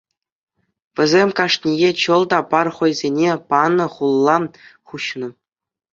Вӗсем кашнийӗ чӑл та пар хӑйсене панӑ хулла хуҫнӑ.